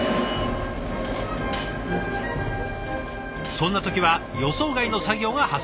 そんな時は予想外の作業が発生します。